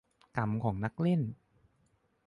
- กรรมของนักเล่น